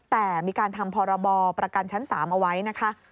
แต่มีการทำพรบประกันชั้น๓เอาไว้นะคะ